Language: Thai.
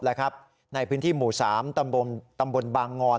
ในพื้นที่หมู่๓ตำบลบางงอน